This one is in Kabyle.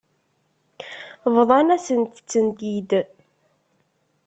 Bḍan-asen-tent-id.